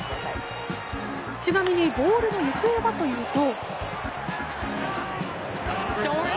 ちなみにボールの行方はというと。